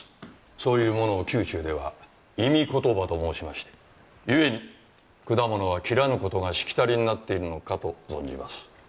そういうものを宮中では忌み言葉と申しましてゆえに果物は切らぬことがしきたりになっているのかと存じます